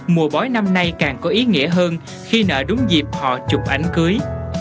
mùa bói năm nay càng có ý nghĩa hơn khi nở đúng dịp họ chụp ánh cưới